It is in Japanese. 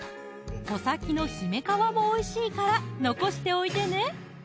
穂先の姫皮もおいしいから残しておいてね！